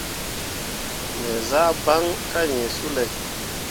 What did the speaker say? Me zah baŋ kah yĩĩ sulay.